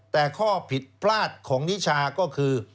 แต่ข้อผิดพลาดของนิชาก็คือ